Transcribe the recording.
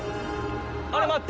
あれ待って。